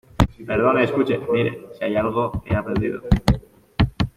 perdone, escuche , mire , si hay algo que he aprendido